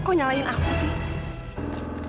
kok nyalain aku sih